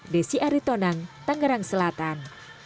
desi aritonang tangerang selatan